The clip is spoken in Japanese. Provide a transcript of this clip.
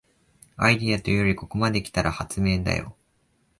アイデアというよりここまで来たら発明だよ